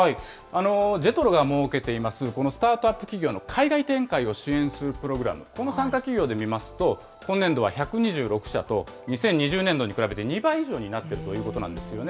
ＪＥＴＲＯが設けています、このスタートアップ企業の海外展開を支援するプログラム、この参加企業で見ますと、今年度は１２６社と、２０２０年度に比べて２倍以上になっているということなんですよね。